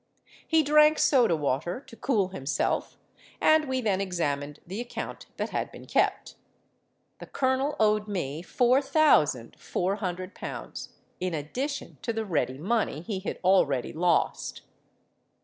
He drank soda water to cool himself; and we then examined the account that had been kept. The colonel owed me four thousand four hundred pounds, in addition to the ready money he had already lost.